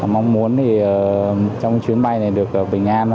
mong muốn trong chuyến bay này được bình an